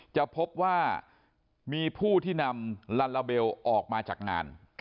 จะพบว่ามีผู้ที่นำลาลาเบลออกมาจากงาน